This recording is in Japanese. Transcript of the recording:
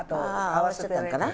合わせてたのかな。